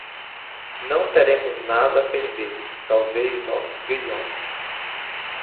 Não teremos nada a perder, talvez nossos grilhões